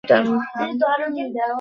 অনেকক্ষণ এসেছেন না কি?